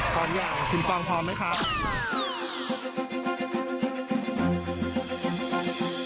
ขออนุญาตคุณฟังพร้อมไหมคะ